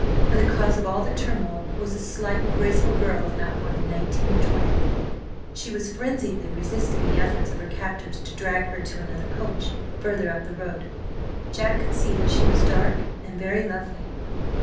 For the cause of all the turmoil was a slight, graceful girl of not more than nineteen or twenty. She was frenziedly resisting the efforts of her captors to drag her to another coach, further up the road. Jack could see that she was dark and very lovely.